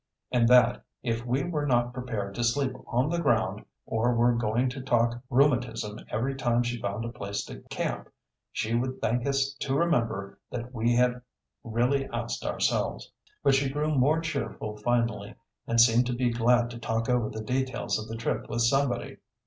And that if we were not prepared to sleep on the ground, or were going to talk rheumatism every time she found a place to camp, she would thank us to remember that we had really asked ourselves. But she grew more cheerful finally and seemed to be glad to talk over the details of the trip with somebody.